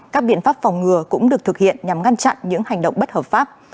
các biện pháp phòng ngừa cũng được thực hiện nhằm ngăn chặn những hành động bất hợp pháp